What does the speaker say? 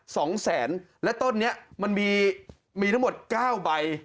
สองแสนและต้นนี้มันมีมีทั้งหมดเก้าใบ